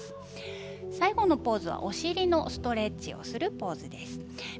最後はお尻のストレッチをするポーズです。